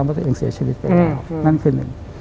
ว่าตัวเองเสียชีวิตไปแล้วนั่นคือหนึ่ง